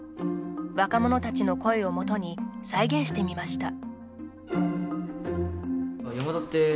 若者たちの声をもとに再現してみました。